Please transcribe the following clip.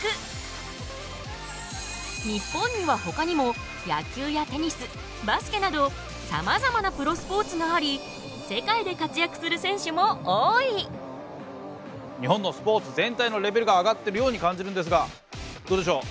日本にはほかにも野球やテニスバスケなどさまざまなプロスポーツがあり日本のスポーツ全体のレベルが上がってるように感じるんですがどうでしょう。